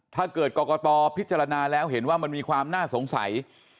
ถ้าเกิดกรกตพิจารณาแล้วเห็นว่ามันมีความน่าสงสัย